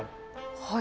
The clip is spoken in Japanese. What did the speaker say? はい。